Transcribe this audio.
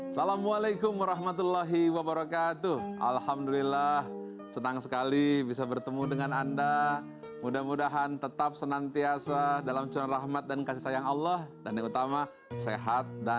nari amcai kemuliaan bulan amat